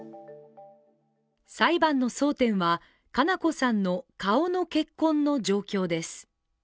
裁判の争点は佳菜子さんの顔の血痕の状況です。